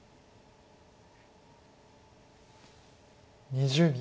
２０秒。